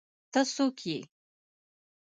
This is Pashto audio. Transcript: ته څوک ئې؟